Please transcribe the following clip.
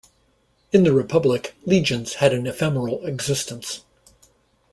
In the Republic, legions had an ephemeral existence.